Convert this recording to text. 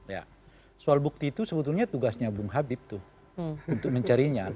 ya soal bukti itu sebetulnya tugasnya bung habib tuh untuk mencarinya